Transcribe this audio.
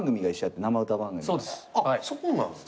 あっそこなんです？